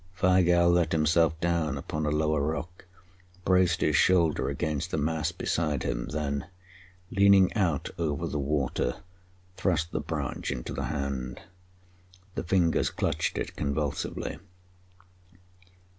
Weigall let himself down upon a lower rock, braced his shoulder against the mass beside him, then, leaning out over the water, thrust the branch into the hand. The fingers clutched it convulsively.